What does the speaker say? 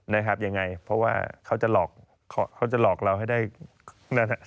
นะครับยังไงเพราะว่าเขาจะหลอกเขาจะหลอกเราให้ได้นั่น